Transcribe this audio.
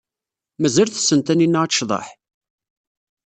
Mazal tessen Taninna ad tecḍeḥ?